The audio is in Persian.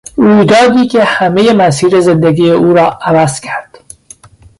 رویدادی که همهی مسیر زندگی او را عوض کرد.